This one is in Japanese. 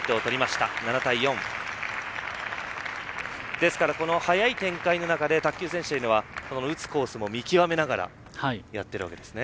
ですから早い展開の中で卓球選手というのは打つコースも見極めながらやっているわけですね。